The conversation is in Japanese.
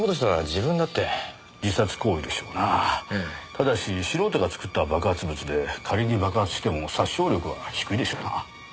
ただし素人が作った爆発物で仮に爆発しても殺傷力は低いでしょうな。